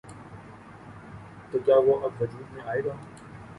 تو کیا وہ اب وجود میں آئے گا؟